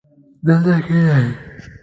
دلته کښېنئ